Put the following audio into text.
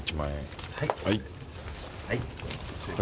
はい。